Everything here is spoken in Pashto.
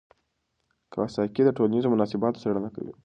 کواساکي د ټولنیزو مناسباتو څېړنه کوي.